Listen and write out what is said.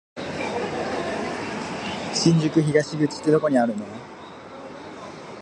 新宿東口ってどこにあんの？